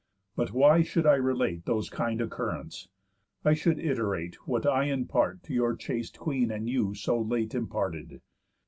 But why should I relate Those kind occurrents? I should iterate What I in part to your chaste queen and you So late imparted.